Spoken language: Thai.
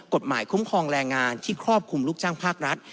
กฎหมายคุ้มครองแรงงานที่ครอบคลุมลูกจ้างภาครัฐ